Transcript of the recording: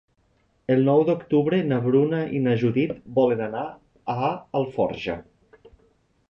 El nou d'octubre na Bruna i na Judit volen anar a Alforja.